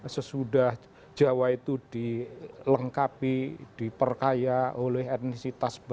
sesudah jawa itu dilengkapi diperkaya oleh etnisitas bangsa